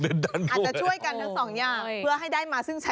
แบบนี้